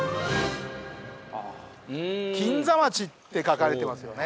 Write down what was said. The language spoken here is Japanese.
「金座町」って書かれてますよね。